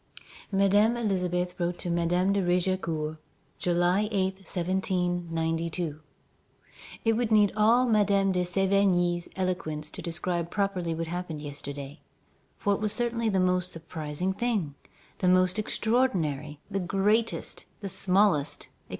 Madame Elisabeth wrote to Madame de Raigecourt, July 8, 1792: "It would need all Madame de Sévigné's eloquence to describe properly what happened yesterday; for it was certainly the most surprising thing, the most extraordinary, the greatest, the smallest, etc.